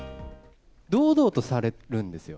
堂々とされるんですよ。